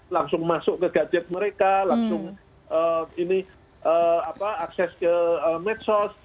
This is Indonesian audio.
langsung masuk ke gadget mereka langsung akses ke medsos